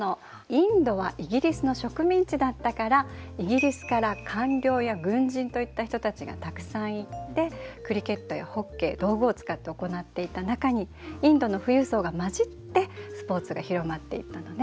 インドはイギリスの植民地だったからイギリスから官僚や軍人といった人たちがたくさん行ってクリケットやホッケー道具を使って行っていた中にインドの富裕層が混じってスポーツが広まっていったのね。